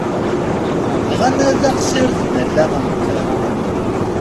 Bɣan ad ɣ-sirden allaɣ-nteɣ.